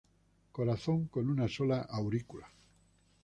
Corazón con una sola aurícula.